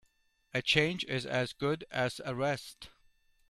A change is as good as a rest.